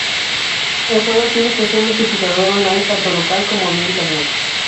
El juego tiene función multijugador online, tanto local como vía Internet.